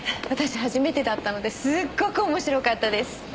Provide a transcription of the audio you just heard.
私初めてだったのですごくおもしろかったです。